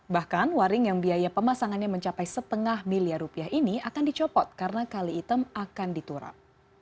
bahkan waring yang biaya pemasangannya mencapai setengah miliar rupiah ini akan dicopot karena kali item akan diturap